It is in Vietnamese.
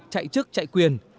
chạy chức chạy quyền